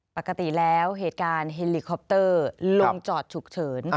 ปกติแล้วเหตุการณ์เฮลิคอปเตอร์ลงจอดฉุกเฉิน